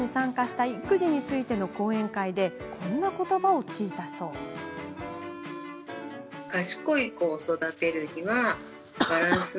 娘が幼稚園のころに参加した育児についての講演会でこんなことばを聞いたそうです。